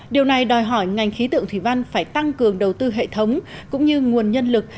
điều này đòi hỏi ngành khí tượng thủy văn phải tăng cường đầu tư hệ thống cũng như nguồn nhân lực